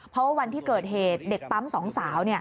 เพราะว่าวันที่เกิดเหตุเด็กปั๊มสองสาว